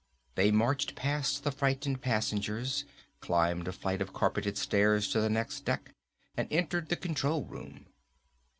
They marched past the frightened passengers, climbed a flight of carpeted stairs to the next deck, and entered the control room.